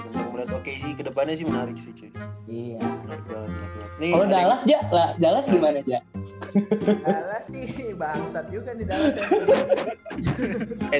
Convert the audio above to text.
menarik menarik menarik menarik menarik menarik menarik menarik menarik menarik menarik menarik